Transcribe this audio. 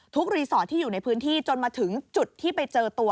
รีสอร์ทที่อยู่ในพื้นที่จนมาถึงจุดที่ไปเจอตัว